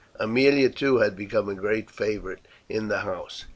Aemilia, too, had become a great favourite in the house.